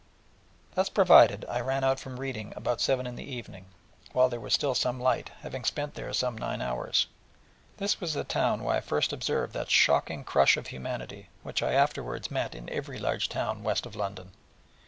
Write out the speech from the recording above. Thus provided, I ran out from Reading about seven in the evening, while there was still some light, having spent there some nine hours. This was the town where I first observed that shocking crush of humanity, which I afterwards met in every large town west of London.